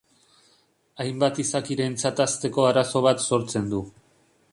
Hainbat izakirentzat hazteko arazo bat sortzen du.